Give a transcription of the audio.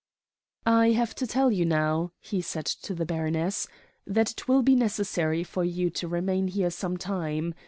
"'I have to tell you now,' he said to the baroness, 'that it will be necessary for you to remain here some time.